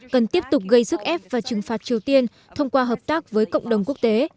cần tiếp tục gây sức ép và trừng phạt triều tiên thông qua hợp tác với cộng đồng quốc tế